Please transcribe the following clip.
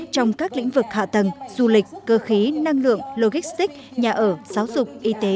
trong các lĩnh vực hạ tầng du lịch cơ khí năng lượng logistic nhà ở giáo dục y tế